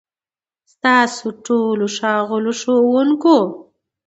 ستاسو ټولو، ښاغليو ښوونکو،